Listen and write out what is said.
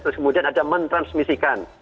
terus kemudian ada mentransmisikan